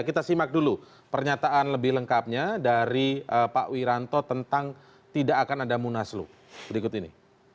kita simak dulu pernyataan lebih lengkapnya dari pak wiranto tentang tidak akan ada munaslup berikut ini